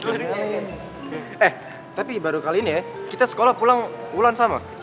eh tapi baru kali ini ya kita sekolah pulang sama